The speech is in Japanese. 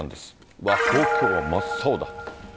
うわ、東京は真っ青だ。